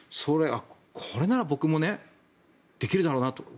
これなら僕もできるだろうなと。